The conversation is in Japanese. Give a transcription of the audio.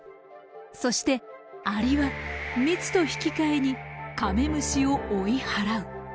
そしてアリは蜜と引き換えにカメムシを追い払う。